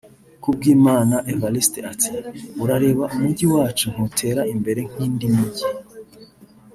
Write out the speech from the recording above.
Kubwimana Evariste ati “urareba umujyi wacu ntutera imbere nk’indi mijyi